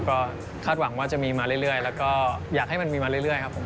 ก็คาดหวังว่าจะมีมาเรื่อยแล้วก็อยากให้มันมีมาเรื่อยครับผม